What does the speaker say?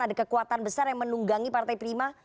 ada kekuatan besar yang menunggangi partai prima